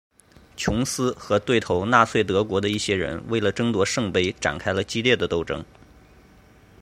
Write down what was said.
琼斯和对头纳粹德国的一些人为了争夺圣杯展开了激烈的斗争。